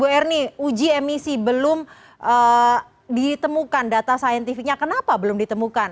bu ernie uji emisi belum ditemukan data saintifiknya kenapa belum ditemukan